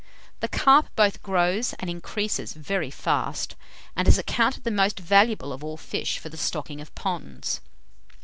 The carp both grows and increases very fast, and is accounted the most valuable of all fish for the stocking of ponds.